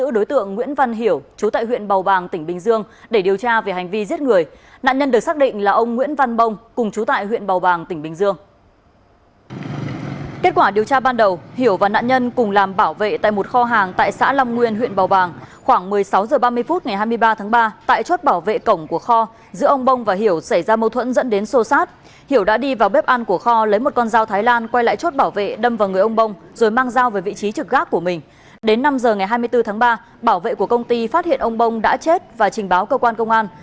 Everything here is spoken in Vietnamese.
đến năm h ngày hai mươi bốn tháng ba bảo vệ của công ty phát hiện ông bông đã chết và trình báo cơ quan công an